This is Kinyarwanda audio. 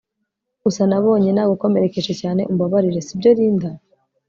gusa nabonye nagukomerekeje cyane umbabarire sibyo Linda